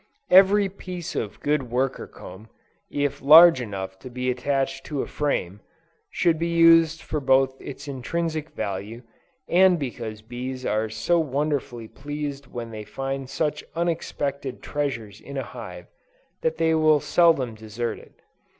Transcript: Every piece of good worker comb, if large enough to be attached to a frame, should be used both for its intrinsic value, and because bees are so wonderfully pleased when they find such unexpected treasures in a hive, that they will seldom desert it.